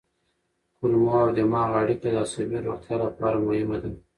کولمو او دماغ اړیکه د عصبي روغتیا لپاره مهمه ده.